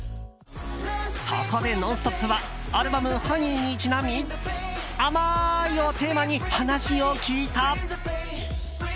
そこで「ノンストップ！」はアルバム「Ｈｏｎｅｙ」にちなみ甘いをテーマに話を聞いた。